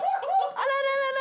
あらららら！